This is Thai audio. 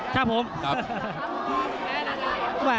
ครับผม